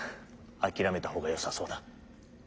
諦めた方がよさそうだ。